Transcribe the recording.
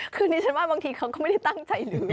คือที่นี่ฉันว่าบางทีเขาก็ไม่ได้ตั้งใจหรือ